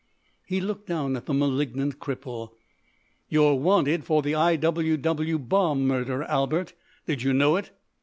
He looked down at the malignant cripple. "You're wanted for the I. W. W. bomb murder, Albert. Did you know it?"